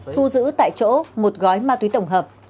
thu giữ tại chỗ một gói ma túy tổng hợp